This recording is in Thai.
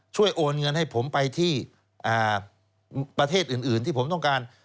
โอนเงินให้ผมไปที่ประเทศอื่นที่ผมต้องการ